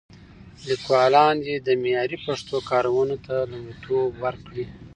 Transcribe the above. لیکوالان دې د معیاري پښتو کارونو ته لومړیتوب ورکړي.